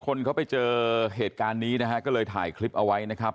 คนเขาไปเจอเหตุการณ์นี้นะฮะก็เลยถ่ายคลิปเอาไว้นะครับ